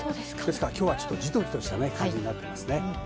今日はジトジトした感じになっています。